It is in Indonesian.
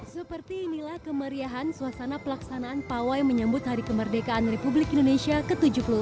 seperti inilah kemeriahan suasana pelaksanaan pawai menyambut hari kemerdekaan republik indonesia ke tujuh puluh empat